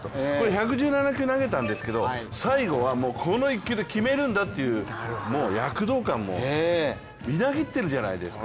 １１７球投げたんですけど、最後は、この一球で決めるんだというもう躍動感もみなぎっているじゃないですか。